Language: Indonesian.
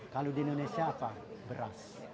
kalau di negara ini tidak ada makam yang butuh makam ya